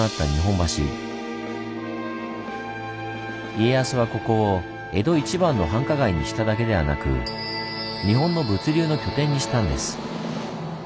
家康はここを江戸一番の繁華街にしただけではなく日本の物流の拠点にしたんです。